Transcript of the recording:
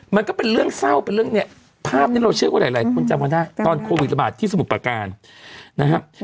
มันก็เป็นเรื่องเศร้าเป็นเรื่องเนี่ยภาพนี้เราเชื่อว่าหลายคนจำกันได้ตอนโควิดระบาดที่สมุทรประการนะครับ